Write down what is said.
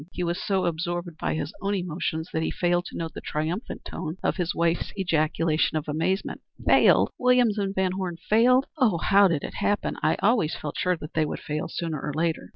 He was so absorbed by his own emotions that he failed to note the triumphant tone of his wife's ejaculation of amazement. "Failed! Williams & Van Horne failed! Oh, how did it happen? I always felt sure that they would fail sooner or later."